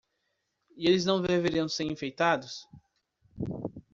E eles não deveriam ser enfeitados?